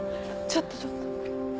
ちょっとちょっと。